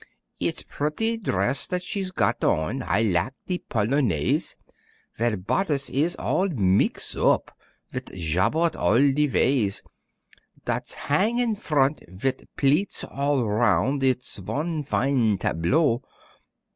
"It's pretty drass dat she's got on, I lak' de polonaise, Vere bodice it is all meex op Vit jabot all de vays. Dat's hang in front vit pleats all roun' It is von fin' tableau."